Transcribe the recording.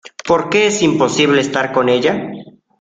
porque es imposible estar con ella.